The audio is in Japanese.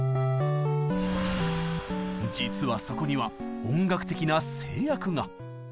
実はそこには音楽的な制約が。